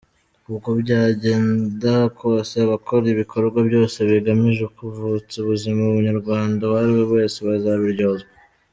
Uko byagenda kose abakora ibikorwa byose bigamije kuvutsa ubuzima umunyarwanda uwari wese bazabiryozwa.